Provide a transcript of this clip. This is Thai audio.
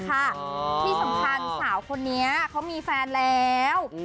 ที่สำคัญสาวคนนี้เขามีแฟนแล้ว